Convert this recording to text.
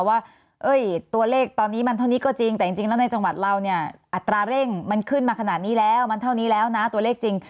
ว่าตัวเลขตอนนี้มันเท่านี้ก็จริงแต่จริงแล้วในจังหวัดเราเนี่ยอัตราเร่งมันขึ้นมาขนาดนี้แล้วมันเท่านี้แล้วนะตัวเลขจริง